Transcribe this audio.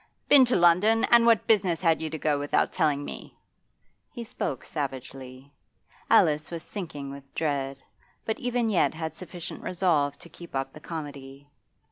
'Been to London? And what business had you to go without telling me?' He spoke savagely. Alice was sinking with dread, but even yet had sufficient resolve to keep up the comedy.